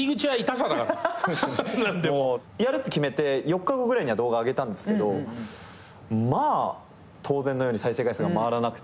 やるって決めて４日後ぐらいには動画あげたんですけどまあ当然のように再生回数が回らなくて